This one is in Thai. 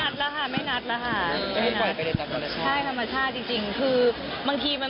ช่วยมา๓เดือนผ่านมันจะรีบมาบอกผู้คนเลย